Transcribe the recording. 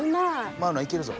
マウナ行けるぞ。